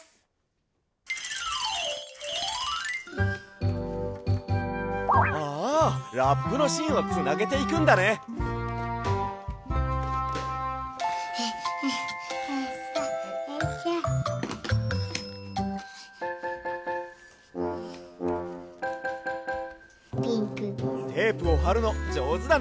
テープをはるのじょうずだね！